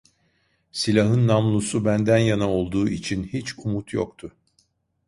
Silahın namlusu benden yana olduğu için hiç umut yoktu.